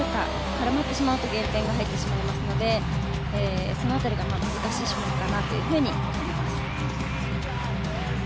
絡まってしまうと減点が入ってしまいますのでその辺りが難しい種目かなと思います。